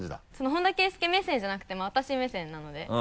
本田圭佑目線じゃなくて私目線なので。